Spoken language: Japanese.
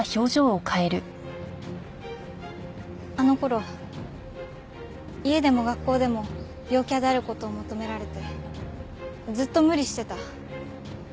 あの頃家でも学校でも陽キャである事を求められてずっと無理してた。